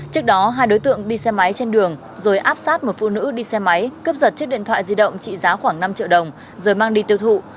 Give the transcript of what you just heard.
trước đó hai đối tượng đi xe máy trên đường rồi áp sát một phụ nữ đi xe máy cướp giật chiếc điện thoại di động trị giá khoảng năm triệu đồng rồi mang đi tiêu thụ